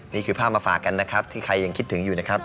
นี่คือภาพมาฝากกันนะครับที่ใครยังคิดถึงอยู่นะครับ